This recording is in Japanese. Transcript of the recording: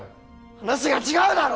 話が違うだろ！